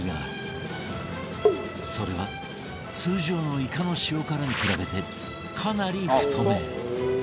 それは通常のイカの塩辛に比べてかなり太め